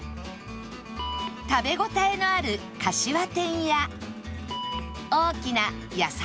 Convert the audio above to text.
食べ応えのあるかしわ天や大きな野菜